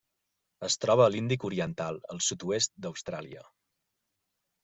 Es troba a l'Índic oriental: el sud-oest d'Austràlia.